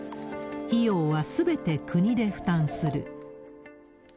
費用はすべて国で負担する。